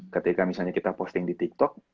ketika misalnya kita posting di tiktok